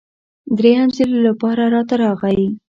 دریم ځل لپاره راته راغی.